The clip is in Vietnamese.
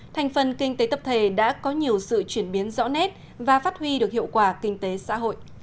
thành phần kinh tế tập thể đã có nhiều sự chuyển biến rõ nét và phát huy được hiệu quả kinh tế xã hội